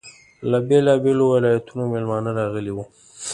له بېلابېلو ولایتونو میلمانه راغلي وو.